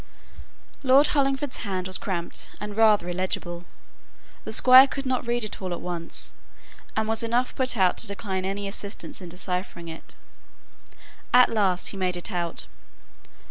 Lord Hollingford's hand was cramped and rather illegible. The squire could not read it all at once, and was enough put out to decline any assistance in deciphering it. At last he made it out.